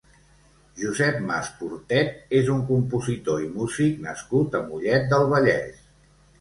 Josep Mas Portet és un compositor i músic nascut a Mollet del Vallès.